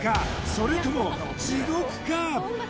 それとも地獄か？